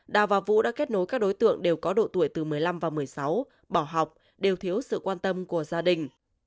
đào và vũ đã kết nối các đối tượng đều có độ tuổi từ một mươi năm và một mươi sáu bỏ học đều thiếu sự quan tâm của gia đình